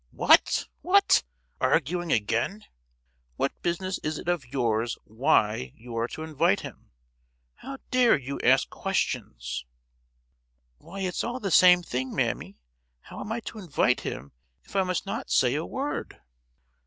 "What—what! arguing again. What business is it of yours why you are to invite him? How dare you ask questions!" "Why it's all the same thing, mammy. How am I to invite him if I must not say a word?"